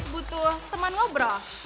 butuh teman ngobrol